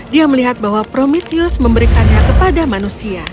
dia melihat bahwa prometheus memberikannya kepada manusia